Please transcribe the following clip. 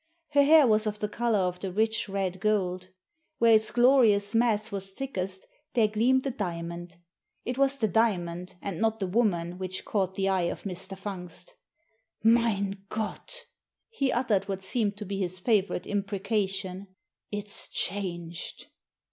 Her hair was of the colour of the rich red gold. Where its glorious mass was thickest there gleamed a diamond It was the diamond and not the woman which caught the eye of Mr. Fungst " Mein Gott !"— he uttered what seemed to be his favourite imprecation —" it's changed